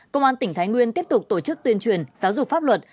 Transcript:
công an tỉnh thái nguyên tiếp tục tổ chức tuyên truyền giáo dục pháp luật